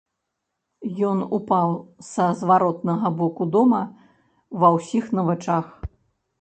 Ён упаў са зваротнага боку дома ва ўсіх на вачах.